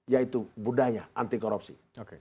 yaitu budaya anti korupsi